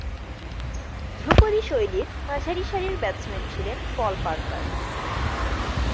ধ্রুপদী শৈলীর মাঝারিসারির ব্যাটসম্যান ছিলেন পল পার্কার।